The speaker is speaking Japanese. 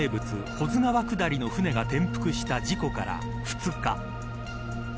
保津川下りの舟が転覆した事故から、２日。